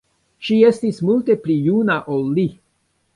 Ŝi estis multe pli juna ol li.